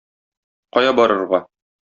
Кая барырга?